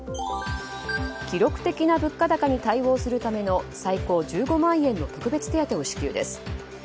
記録的な物価高に対応するための最高１５万円の特別手当を支給です。